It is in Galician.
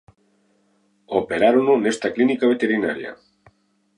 Operárono nesta clínica veterinaria.